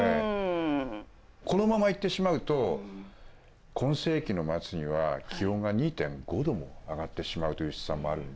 このまま行ってしまうと今世紀の末には気温が２．５℃も上がってしまうという試算もあるんで。